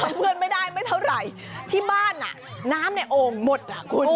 เพื่อนไม่ได้ไม่เท่าไหร่ที่บ้านอ่ะน้ำในโอ่งหมดอ่ะคุณ